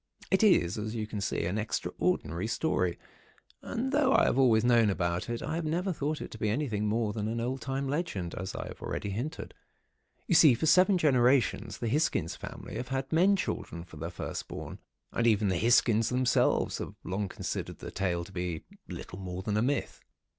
"It is, as you can see, an extraordinary story, and though I have always known about it, I have never thought it to be anything more than old time legend, as I have already hinted. You see, for seven generations the Hisgins family have had men children for their first born, and even the Hisgins themselves have long considered the tale to be little more than a myth.